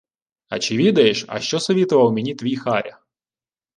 — А чи відаєш, о що совітував мені твій Харя?!